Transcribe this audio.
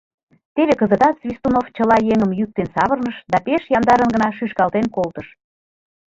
Теве кызытат Свистунов чыла еҥым йӱктен савырныш да пеш яндарын гына шӱшкалтен колтыш.